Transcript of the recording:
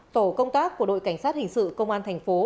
tổ công tác của đội cảnh sát hình sự công an thành phố